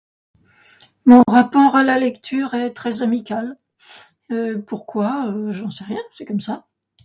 Mon rapport à la lecture est très amical ! Pourquoi ? J'en sais rien, c'est comme ça.